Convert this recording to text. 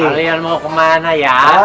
kalian mau kemana ya